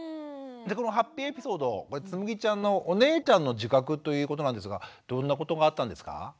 このハッピーエピソードつむぎちゃんのお姉ちゃんの自覚ということなんですがどんなことがあったんですか？